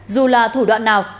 dù là thủ đoạn nào